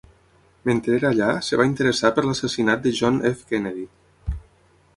Mentre era allà, es va interessar per l'assassinat de John F. Kennedy.